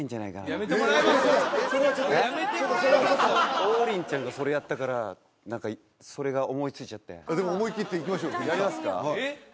いやいやそれはちょっと王林ちゃんがそれやったから何かそれが思いついちゃってでも思い切っていきましょうやりますか？